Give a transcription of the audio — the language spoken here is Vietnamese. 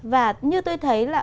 và như tôi thấy là